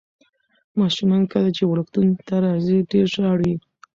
ماشومان کله چې وړکتون ته راځي ډېر ژاړي.